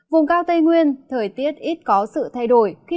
vùng cao tây nguyên thời tiết ít có sự thay đổi